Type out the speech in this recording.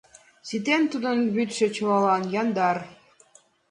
Ситен тудын вӱдшӧ чылалан, яндар.